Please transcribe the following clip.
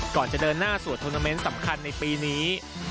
ก่อนจะเดินหน้าสู่ทวนาเมนต์สำคัญในปีนี้